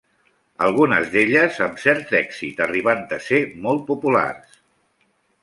Algunes d'elles amb cert èxit, arribant a ser molt populars.